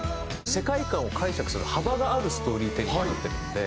世界観を解釈する幅があるストーリー展開になってるので。